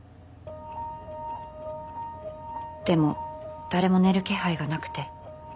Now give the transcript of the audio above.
でも誰も寝る気配がなくて。